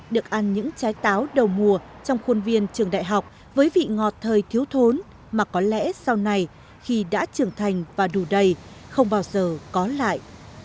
được ăn những trái táo đầu mùa trong khuôn viên trường đại học với vị ngọt thời thiếu thốn mà có lẽ sau này khi đã trưởng thành và đủ đầy không bao giờ có lại